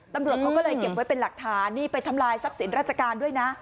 ตำรวจเขาก็เลยเก็บไว้เป็นหลักฐานนี่ไปทำลายทรัพย์สินราชการด้วยนะ